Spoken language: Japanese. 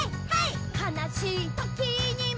「かなしいときにも」